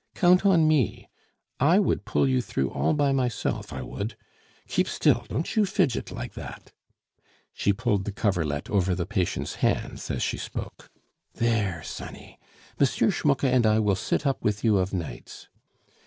Count on me; I would pull you through all by myself, I would! Keep still, don't you fidget like that." She pulled the coverlet over the patient's hands as she spoke. "There, sonny! M. Schmucke and I will sit up with you of nights.